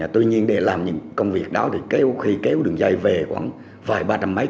tuy nhiên để làm những công việc đó thì khi kéo đường dây về khoảng vài ba trăm mấy